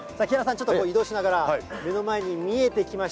ちょっと移動しながら、目の前に見えてきまし